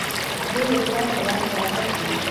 • زوی د پلار د لاس برکت وي.